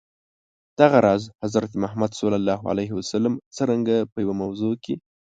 دغه راز، حضرت محمد ص څرنګه په یوه موضوع کي.